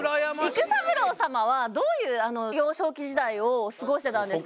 育三郎様はどういう幼少期時代を過ごしてたんですか？